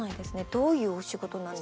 どういうお仕事なんですか？